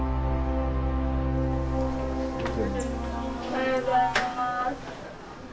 おはようございます。